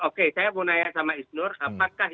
oke saya mau nanya sama isnur apakah